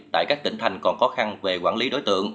tại các tỉnh thành còn khó khăn về quản lý đối tượng